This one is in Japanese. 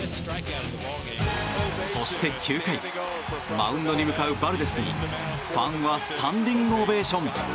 そして９回マウンドに向かうバルデスにファンはスタンディングオベーション。